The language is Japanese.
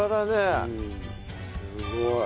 すごい。